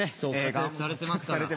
活躍されてますから。